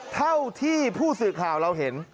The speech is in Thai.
เท่าที่ผู้สื่อข่าวเราเห็น